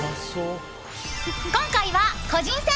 今回は個人戦。